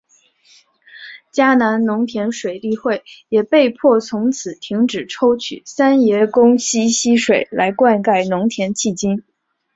嘉南农田水利会也被迫从此停止抽取三爷宫溪溪水来灌溉农田迄今。